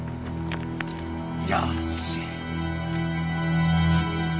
よし。